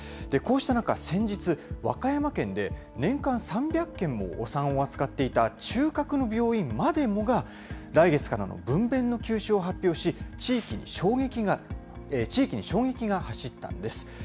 こうした中、先日、和歌山県で、年間３００件もお産を扱っていた中核の病院までもが、来月からの分べんの休止を発表し、地域に衝撃が走ったんです。